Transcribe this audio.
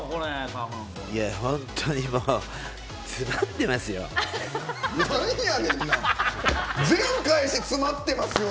本当にもう詰まってますよ。